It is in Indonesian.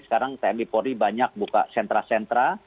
sekarang tmi pori banyak buka sentra sentra